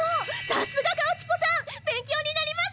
さすがカウチポさん勉強になります！